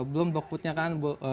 belum dog food nya kan